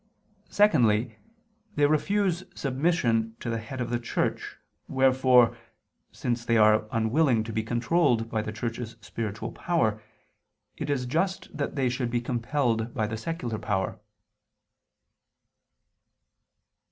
Secondly, they refuse submission to the head of the Church, wherefore, since they are unwilling to be controlled by the Church's spiritual power, it is just that they should be compelled by the secular power.